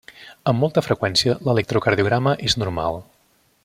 Amb molta freqüència l'electrocardiograma és normal.